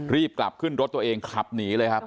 รีบกลับขึ้นรถตัวเองขับหนีเลยครับ